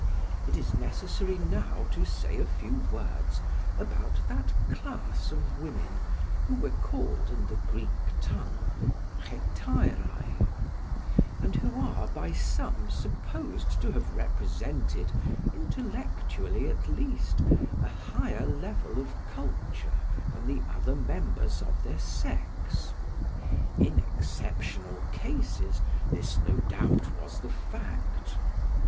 It is necessary now to say a few words about that class of women who were called in the Greek tongue Hetaerae; and who are by some supposed to have represented, intellectually at least, a higher level of culture than the other members of their sex. In exceptional cases, this, no doubt, was the fact.